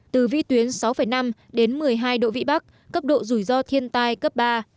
từ vĩ tuyến sáu năm đến một mươi hai độ vị bắc cấp độ rủi ro thiên tai cấp ba